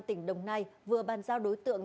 tỉnh đồng nai vừa bàn giao đối tượng